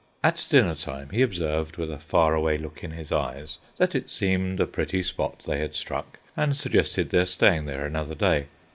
At dinner time he observed, with a far away look in his eyes, that it seemed a pretty spot they had struck, and suggested their staying there another day.